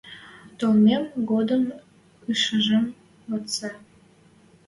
Толмем годым ышешем вацце.